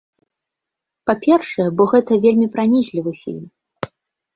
Па-першае, бо гэта вельмі пранізлівы фільм.